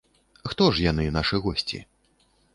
Хто ж яны, нашы госці?